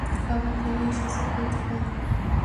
বাবা ফিরে এসেছে বোধহয়।